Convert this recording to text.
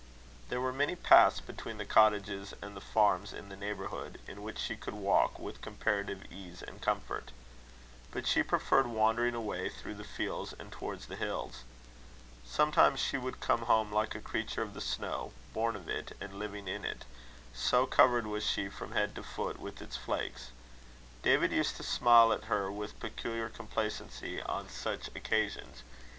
There were many paths between the cottages and the farms in the neighbourhood, in which she could walk with comparative ease and comfort. But she preferred wandering away through the fields and toward the hills. Sometimes she would come home like a creature of the snow, born of it, and living in it; so covered was she from head to foot with its flakes. David used to smile at her with peculiar complacency on such occasions.